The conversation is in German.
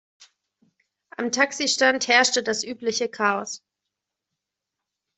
Am Taxistand herrschte das übliche Chaos.